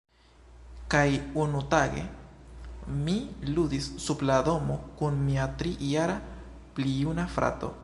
Kaj unutage, mi ludis sub la domo kun mia tri-jara-plijuna frato.